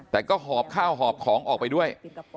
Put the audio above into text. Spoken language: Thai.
แต่ก็หอบข้าวหอบของออกไปด้วย